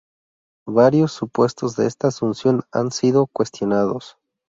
Varios supuestos de esta asunción han sido cuestionados.